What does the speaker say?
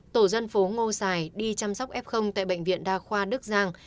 tổ dân phố ngô xài đi chăm sóc f tại bệnh viện đa khoa đức giang